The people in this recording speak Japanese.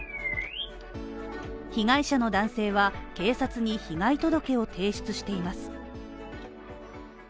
被害者の男性は警察に被害届を提出しています。